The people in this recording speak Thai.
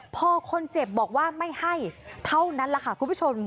พอคนเจ็บบอกว่าไม่ให้เท่านั้นแหละค่ะคุณผู้ชม